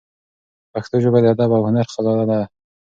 پښتو ژبه د ادب او هنر خزانه ده.